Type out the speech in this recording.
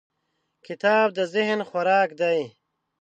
کتاب د ذهن خوراک دی.